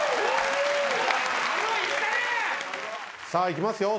さあいきますよ